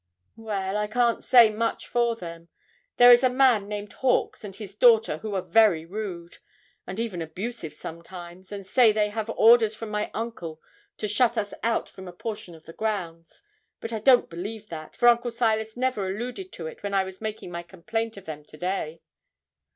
'Well, I can't say much for them; there is a man named Hawkes, and his daughter, who are very rude, and even abusive sometimes, and say they have orders from my uncle to shut us out from a portion of the grounds; but I don't believe that, for Uncle Silas never alluded to it when I was making my complaint of them to day.'